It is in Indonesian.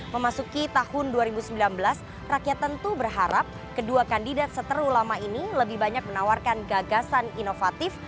memasuki tahun dua ribu sembilan belas rakyat tentu berharap kedua kandidat seteru lama ini lebih banyak menawarkan gagasan inovatif